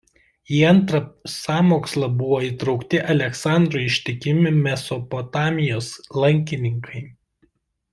Į antrą sąmokslą buvo įtraukti Aleksandrui ištikimi Mesopotamijos lankininkai.